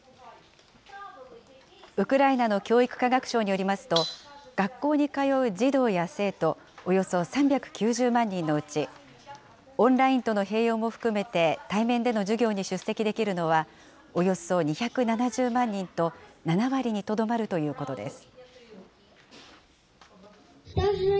ウクライナの教育科学省によりますと、学校に通う児童や生徒およそ３９０万人のうち、オンラインとの併用も含めて対面での授業に出席できるのはおよそ２７０万人と、７割にとどまるということです。